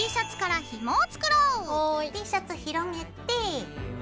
Ｔシャツ広げて。